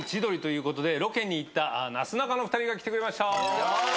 ロケに行ったなすなかの２人が来てくれました。